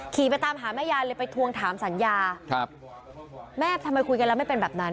ไปตามหาแม่ยายเลยไปทวงถามสัญญาครับแม่ทำไมคุยกันแล้วไม่เป็นแบบนั้น